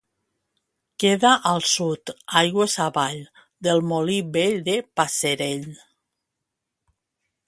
Queda al sud, aigües avall, del Molí Vell de Passerell.